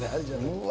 うわ！